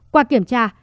qua kiểm tra